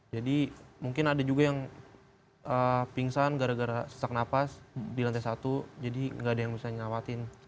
jadi mungkin ada juga yang pingsan gara gara susah nafas di lantai satu jadi tidak ada yang bisa nyawatin